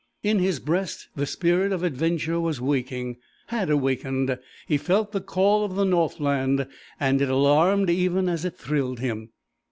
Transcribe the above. In his breast the spirit of adventure was waking had awakened; he felt the call of the Northland, and it alarmed even as it thrilled him.